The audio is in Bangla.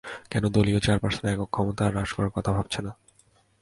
কেন দলীয় চেয়ারপারসনের একক ক্ষমতা হ্রাস করার কথা ভাবছে না?